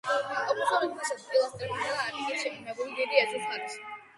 აღმოსავლეთი ფასადი პილასტრებითა და ატიკით შებრუნებულია დიდი ეზოს მხარეს.